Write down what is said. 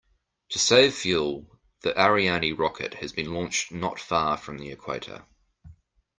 To save fuel, the Ariane rocket has been launched not far from the equator.